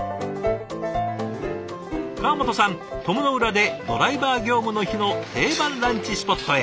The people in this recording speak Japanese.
川本さん鞆の浦でドライバー業務の日の定番ランチスポットへ。